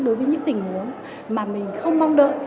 đối với những tình huống mà mình không mong đợi